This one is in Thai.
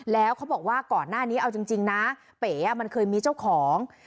แล้วเขาบอกว่าก่อนหน้านี้เอาจริงนะเป๋มันเคยมีเจ้าของ